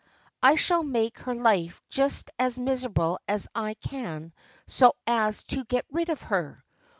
I shall make her life just as miserable as I can so as to get rid of her.